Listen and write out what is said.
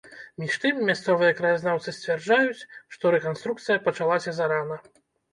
Між тым, мясцовыя краязнаўцы сцвярджаюць, што рэканструкцыя пачалася зарана.